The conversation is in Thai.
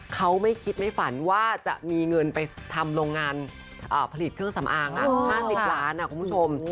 เขาไม่คิดไม่ฝันว่าจะมีเงินไปทำโรงงานผลิตเครื่องสำอาง๕๐ล้านคุณผู้ชม